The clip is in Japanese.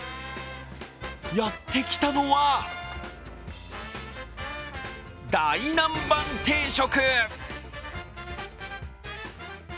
やってきたのは大南蛮定食！